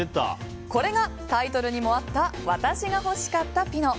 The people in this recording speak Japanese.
これがタイトルにもあった「私がほしかったピノ」。